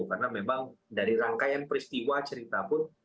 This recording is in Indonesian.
karena memang dari rangkaian peristiwa cerita pun